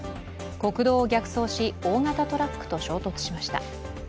国道を逆走し、大型トラックと衝突しました。